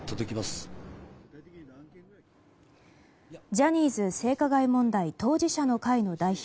ジャニーズ性加害問題当事者の会の代表